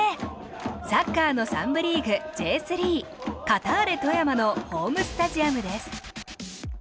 サッカーの３部リーグＪ３カターレ富山のホームスタジアムです。